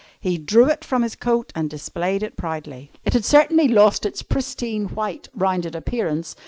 He drew it from his coat and displayed it proudly. It had certainly lost its pristine, white, rounded appearance.